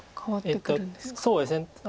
そうですね